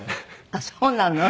あっそうなの。